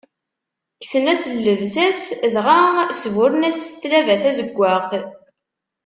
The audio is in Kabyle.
Kksen-as llebsa-s dɣa sburren-as s tlaba tazeggaɣt.